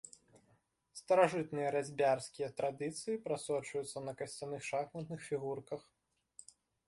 Старажытныя разьбярскія традыцыі прасочваюцца на касцяных шахматных фігурках.